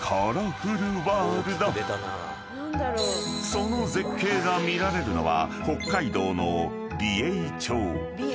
［その絶景が見られるのは］